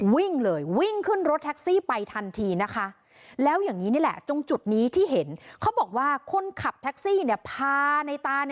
วิ่งเลยวิ่งขึ้นรถแท็กซี่ไปทันทีนะคะแล้วอย่างนี้นี่แหละตรงจุดนี้ที่เห็นเขาบอกว่าคนขับแท็กซี่พาในตา